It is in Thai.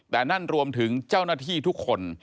แต่นั่นรวมถึงเจ้าหน้าที่ทุกคน